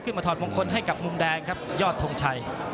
ถอดมงคลให้กับมุมแดงครับยอดทงชัย